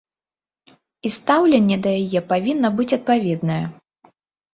І стаўленне да яе павінна быць адпаведнае.